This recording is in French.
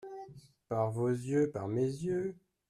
Par vos yeux ? Par mes yeux.